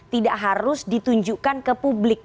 tidak harus ditunjukkan ke publik